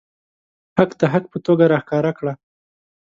حق د حق په توګه راښکاره کړه.